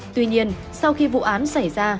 tuy nhiên sau khi vụ án xảy ra